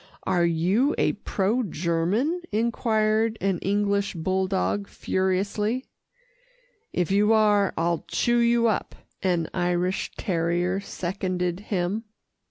"Are you a pro German?" enquired an English bulldog furiously. "If you are, I'll chew you up," an Irish terrier seconded him.